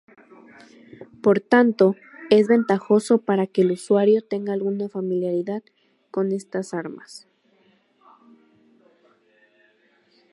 Por tanto, es ventajoso para que el usuario tenga alguna familiaridad con estas armas.